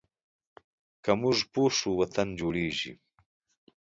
که مونږ یو شو، وطن جوړیږي.